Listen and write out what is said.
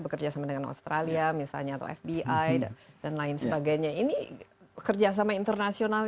bekerja sama dengan australia misalnya atau fbi dan lain sebagainya ini kerjasama internasional